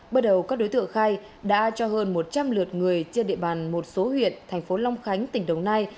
bắt đầu các đối tượng khai đã cho hơn một trăm linh lượt người trên địa bàn một số huyện thành phố long khánh tỉnh đồng nai